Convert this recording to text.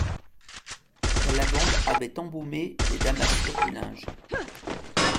La lavande avait embaumé les damassures du linge.